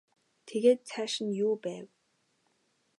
Тэгээд цааш нь юу байв?